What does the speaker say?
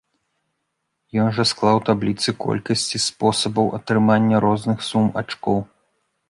Ён жа склаў табліцы колькасці спосабаў атрымання розных сум ачкоў.